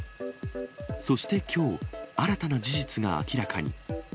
そしてきょう、新たな事実が明らかに。